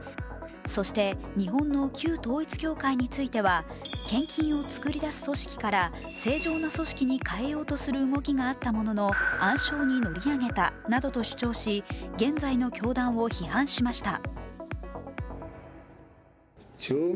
そして日本の旧統一教会については献金を作り出す組織から正常な組織に変えようとする動きがあったものの暗礁に乗り上げたなどと主張し、現在の教団を批判しました。